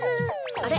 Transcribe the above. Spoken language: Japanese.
あれ？